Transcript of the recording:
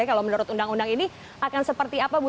kalau menurut undang undang ini akan seperti apa bu